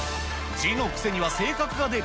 字の癖には性格が出る？